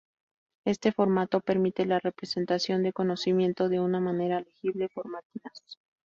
Este formato permite la representación del conocimiento de una manera legible por máquinas.